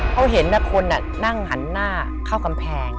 เขาเห็นคนนั่งหันหน้าเข้ากำแพง